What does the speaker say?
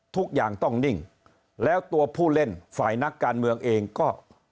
ทุกอย่างต้องนิ่งแล้วตัวผู้เล่นฝ่ายนักการเมืองเองก็